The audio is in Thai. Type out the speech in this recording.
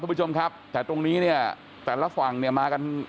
ผู้ชมครับแต่ตรงนี้เนี่ยแต่ละฝั่งเนี่ยมากัน